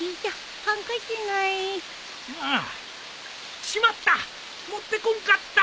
うんしまった持ってこんかった。